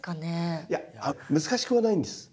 いやあのね難しくはないんです。